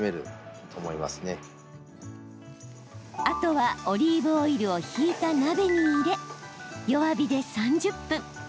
あとはオリーブオイルを引いた鍋に入れ弱火で３０分。